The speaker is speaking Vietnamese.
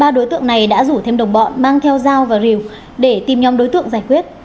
ba đối tượng này đã rủ thêm đồng bọn mang theo dao và rìu để tìm nhóm đối tượng giải quyết